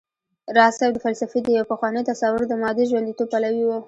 راز صيب د فلسفې د يو پخواني تصور د مادې ژونديتوب پلوی و